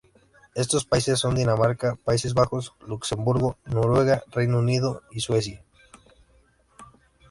Estos países son: Dinamarca, Países Bajos, Luxemburgo, Noruega, Reino Unido y Suecia.